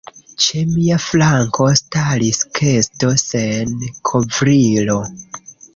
Ĉe mia flanko staris kesto sen kovrilo.